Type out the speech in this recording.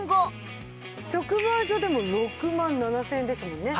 直売所でも６万７０００円でしたもんね。